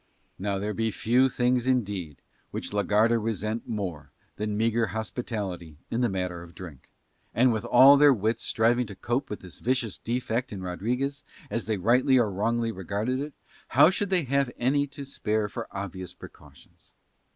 Now there be few things indeed which la Garda resent more than meagre hospitality in the matter of drink, and with all their wits striving to cope with this vicious defect in Rodriguez, as they rightly or wrongly regarded it, how should they have any to spare for obvious precautions?